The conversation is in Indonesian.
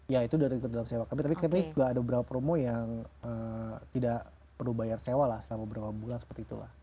ya itu dari dalam sewa kami tapi kami juga ada beberapa promo yang tidak perlu bayar sewa lah selama beberapa bulan seperti itulah